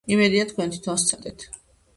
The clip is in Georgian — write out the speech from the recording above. იმედია, თქვენ თვითონ სცადეთ.